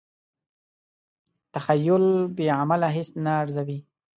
تخیل بې عمله هیڅ نه ارزوي.